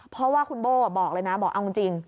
เพราะว่าคุณโบ้บอกเลยนะบอกเอาจริง